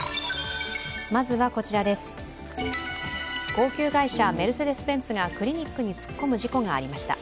高級外車メルセデス・ベンツがクリニックに突っ込む事故がありました。